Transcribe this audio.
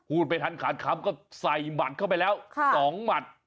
ไม่ทันขาดคำก็ใส่หมัดเข้าไปแล้ว๒หมัด